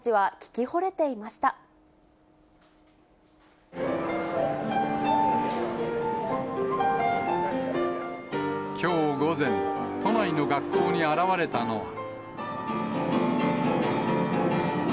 きょう午前、都内の学校に現れたのは。